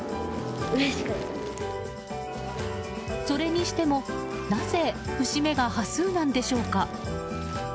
それにしてもなぜ節目が端数なんでしょうか。